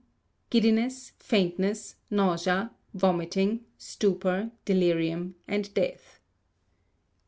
Giddiness, faintness, nausea, vomiting, stupor, delirium, and death.